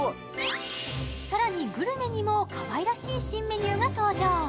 更に、グルメにもかわいらしい新メニューが登場。